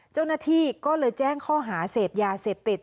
เจ้าหน้าที่ก็เลยแจ้งข้อหาเสพยาเสพติด